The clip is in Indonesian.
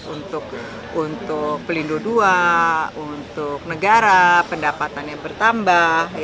untuk pelindung dua untuk negara pendapatannya bertambah